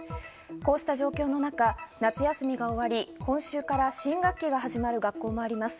こうした状況の中、夏休みが終わり今週から新学期が始まる学校もあります。